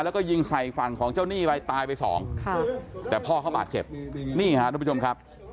แล้วก็ยิงใส่ฝั่งของเจ้าหนี้ไปตายไปสองค่ะแต่พ่อเขาบาดเจ็บนี่ฮะทุกผู้ชมครับ